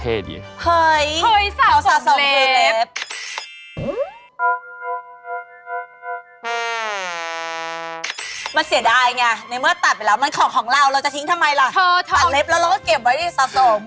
ตัดเล็บแล้วเราก็เก็บไว้สะสม